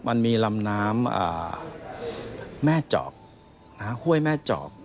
มันมีลำน้ำแม่จอกห้วยแม่จอก